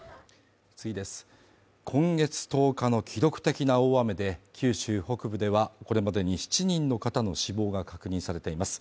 今月１０日の記録的な大雨で、九州北部では、これまでに７人の方の死亡が確認されています。